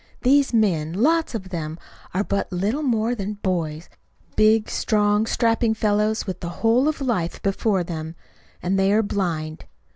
These men, lots of them, are but little more than boys big, strong, strapping fellows with the whole of life before them. And they are blind.